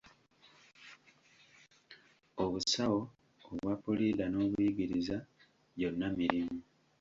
Obusawo, obwapulida, n'obuyigiriza, gyonna mirimu.